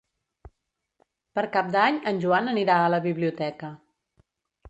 Per Cap d'Any en Joan anirà a la biblioteca.